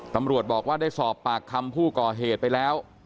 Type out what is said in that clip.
ตำรวจบอกว่าได้สอบปากคำผู้ก่อเหตุไปแล้ว